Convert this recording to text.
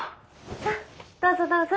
さあどうぞどうぞ。